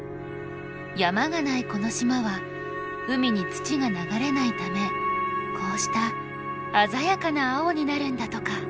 山がないこの島は海に土が流れないためこうした鮮やかな青になるんだとか。